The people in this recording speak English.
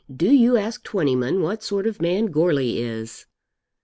Do you ask Twentyman what sort of a man Goarly is."